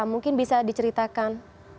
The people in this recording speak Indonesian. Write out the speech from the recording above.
mungkin bisa diceritakan